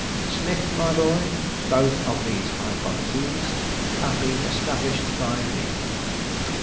"Smith, my boy, both of these hypotheses have been established by me.